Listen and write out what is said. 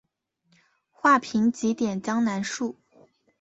画屏几点江南树。